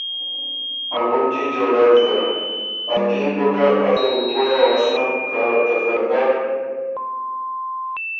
غُنجی جوړؤ زر، ا پئے م بُو ګۀ، ازه بُو پویٛ اؤسم، که ته زرګر